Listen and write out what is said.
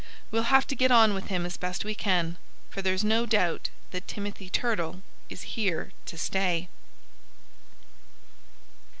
We'll have to get on with him as best we can, for there's no doubt that Timothy Turtle is here to stay."